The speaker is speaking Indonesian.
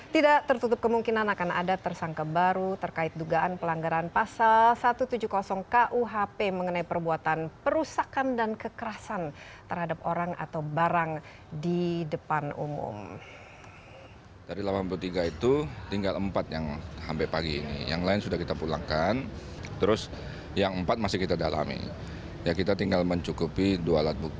tidak tertutup kemungkinan akan ada tersangka baru terkait dugaan pelanggaran pasal satu ratus tujuh puluh kuhp mengenai perbuatan perusakan dan kekerasan terhadap orang atau barang di depan umum